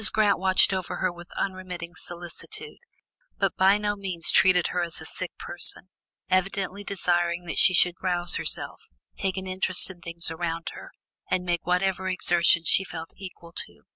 Grant watched over her with unremitting solicitude, but by no means treated her as a sick person, evidently desiring that she should rouse herself, take an interest in things around her, and make whatever exertion she felt equal to.